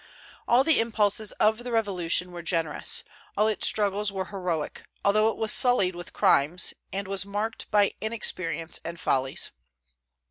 All the impulses of the Revolution were generous; all its struggles were heroic, although it was sullied with crimes, and was marked by inexperience and follies.